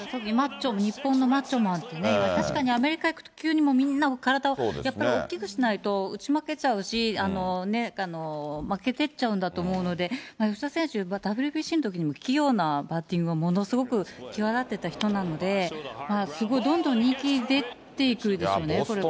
日本のマッチョマンって言われ、確かにアメリカ行くと急にみんなやっぱり大きくしないと、打ち負けちゃうし、負けてっちゃうんだと思うので、吉田選手、ＷＢＣのときに器用なバッティング、ものすごく際立ってた人なんで、すごいどんどん人気出ていくでしょうね、これから。